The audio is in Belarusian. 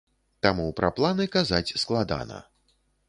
Таму пра планы казаць складана.